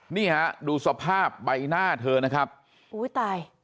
นี่ฮะดูสภาพใบหน้าเธอนะครับอุ้ยตาย